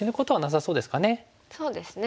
そうですね。